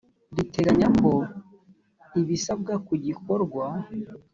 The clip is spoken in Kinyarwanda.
riteganya ko ibisabwa ku gikorwa